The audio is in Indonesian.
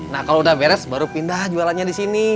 nah kalau udah beres baru pindah jualannya disini